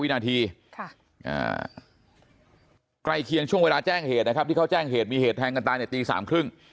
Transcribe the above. วินาทีใกล้เคียงช่วงเวลาแจ้งเหตุนะครับที่เขาแจ้งเหตุมีเหตุแทงกันตายในตี๓๓๐